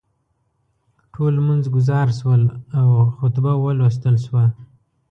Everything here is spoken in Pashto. ټول لمونځ ګزار شول او خطبه ولوستل شوه.